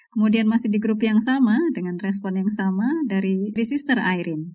kemudian masih di grup yang sama dengan respon yang sama dari sister irene